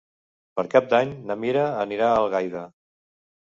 Per Cap d'Any na Mira anirà a Algaida.